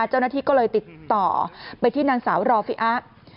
เจ้าหน้าที่ก็เลยติดต่อไปที่นางสาวรอฟิอะ